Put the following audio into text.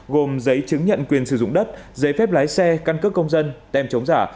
gồm giấy chứng nhận quyền sử dụng đất giấy phép lái xe căn cước công dân tem chống giả